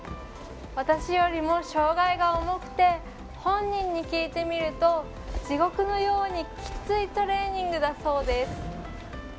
私よりも障がいが重くて本人に聞いてみると地獄のようにきついトレーニングだそうです。